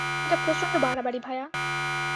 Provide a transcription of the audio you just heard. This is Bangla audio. এটা প্রচণ্ড বাড়াবাড়ি, ভায়া।